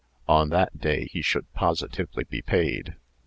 On that day he should positively be paid.